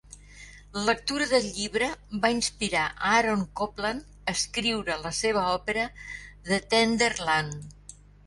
La lectura del llibre va inspirar Aaron Copland a escriure la seva òpera "The Tender Land".